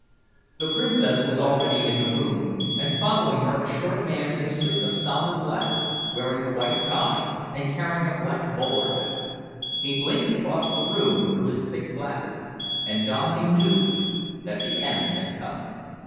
The Princess was already in the room, and following her a short man in a suit of sombre black, wearing a white tie, and carrying a black bowler hat. He blinked across the room through his thick glasses, and Dominey knew that the end had come.